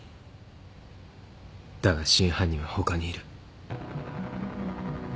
だが真犯人は他にいる。